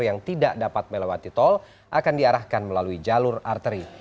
yang tidak dapat melewati tol akan diarahkan melalui jalur arteri